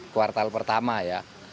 kuartal pertama ya